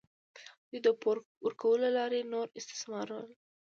دوی د پور ورکولو له لارې نور استثمارول.